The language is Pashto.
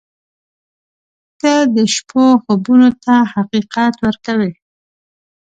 • ته د شپو خوبونو ته حقیقت ورکړې.